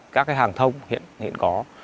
các cái hàng thông hiện có